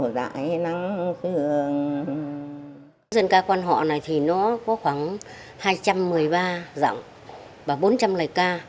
nắng dân ca quan họ này thì nó có khoảng hai trăm một mươi ba giặc và bốn trăm linh lời ca